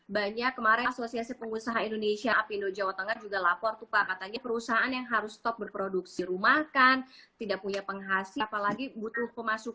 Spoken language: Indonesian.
banyak kemarin asosiasi pengusaha indonesia ap indochawa tengah juga lapor tuh pak katanya perusahaan yang harus stop berproduksi di rumah kan tidak punya penghasil apalagi butuh pemasukan